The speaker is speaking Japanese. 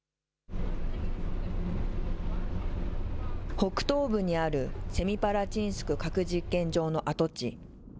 北東部にある、セミパラチンスク核実験場の跡地。